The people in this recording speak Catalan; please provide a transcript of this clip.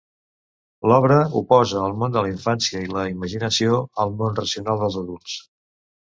L'obra oposa el món de la infància i la imaginació al món racional dels adults.